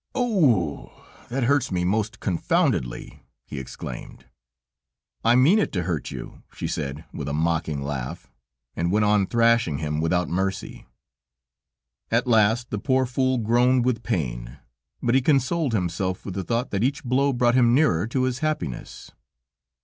"Oh! That hurts me most confoundedly," he exclaimed. "I mean it to hurt you," she said with a mocking laugh, and went on thrashing him without mercy. At last the poor fool groaned with pain, but he consoled himself with the thought that each blow brought him nearer to his happiness.